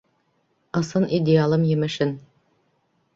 Ысын идеалым емешен.